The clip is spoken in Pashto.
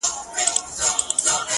نور مي له سترگو څه خوبونه مړه سول؛